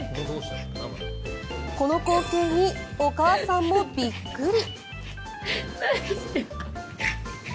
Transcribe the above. この光景にお母さんもびっくり。